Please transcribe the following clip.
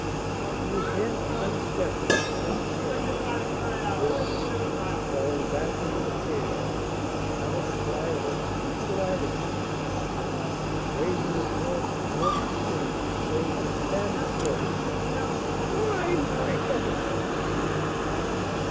He advanced one step with extended hands, then, falling back into the chair, he uttered a cry of unspeakable agony, and, raising his hands towards the ceiling, exclaimed, with maddened fury: "Blind, by heaven!"